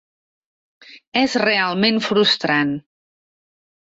És realment frustrant...